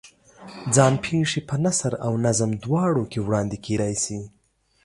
ځان پېښې په نثر او نظم دواړو کې وړاندې کېدای شي.